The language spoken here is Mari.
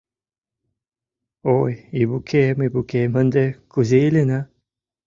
Ой, Ивукем, Ивукем, ынде кузе илена?